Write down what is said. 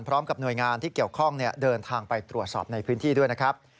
พร้อมกับหน่วยงานที่เกี่ยวข้องเดินทางไปตรวจสอบในพื้นที่ด้วยนะครับ